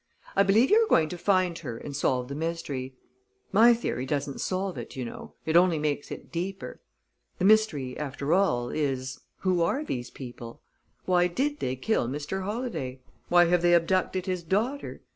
"I believe you're going to find her and solve the mystery. My theory doesn't solve it, you know; it only makes it deeper. The mystery, after all, is who are these people? why did they kill Mr. Holladay? why have they abducted his daughter?